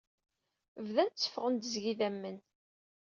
Bdan tteffɣen-d seg-i idammen.